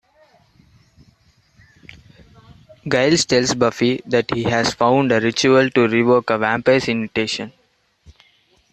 Giles tells Buffy that he has found a ritual to revoke a vampire's invitation.